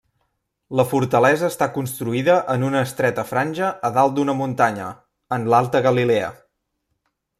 La fortalesa està construïda en una estreta franja a dalt d'una muntanya, en l'Alta Galilea.